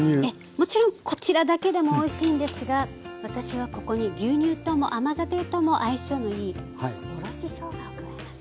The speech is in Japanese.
もちろんこちらだけでもおいしいんですが私はここに牛乳とも甘酒とも相性のいいおろししょうがを加えます。